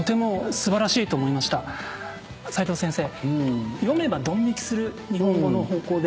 齋藤先生。